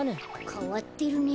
かわってるね。